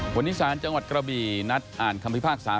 วันนี้ศาลจังหวัดกระบี่นัดอ่านคำพิพากษา